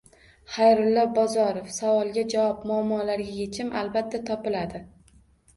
Xayrullo Bozorov: savolga javob, muammoga yechim albatta, topiladi